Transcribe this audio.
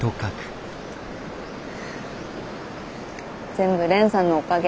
全部蓮さんのおかげ。